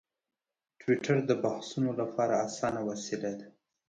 ټویټر د بحثونو لپاره اسانه وسیله ده.